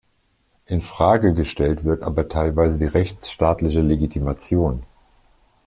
In Frage gestellt wird aber teilweise die rechtsstaatliche Legitimation.